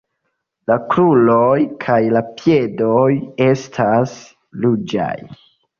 La kruroj kaj la piedoj estas ruĝaj.